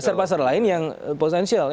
pasar pasar lain yang potensial